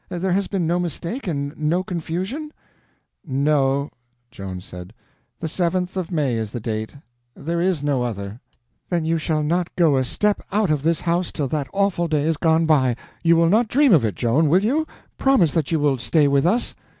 There has been no mistake, and no confusion?" "No," Joan said, "the 7th of May is the date—there is no other." "Then you shall not go a step out of this house till that awful day is gone by! You will not dream of it, Joan, will you?—promise that you will stay with us."